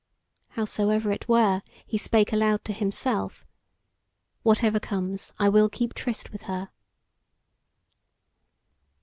Howsoever it were, he spake aloud to himself: Whatever comes, I will keep tryst with her.